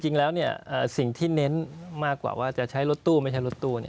จริงแล้วสิ่งที่เน้นมากกว่าว่าจะใช้รถตู้ไม่ใช้รถตู้